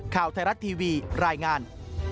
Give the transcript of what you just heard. ข่าวไทยรัฐทีวีรายงาน